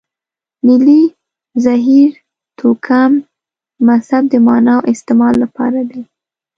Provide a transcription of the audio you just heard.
نیلې، زهیر، توکم، مهذب د معنا او استعمال لپاره دي.